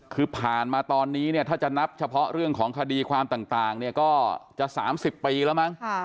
คือผ่านมาตอนนี้เนี่ยถ้าจะนับเฉพาะเรื่องของคดีความต่างเนี่ยก็จะ๓๐ปีแล้วมั้ง